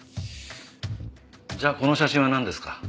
じゃあこの写真はなんですか？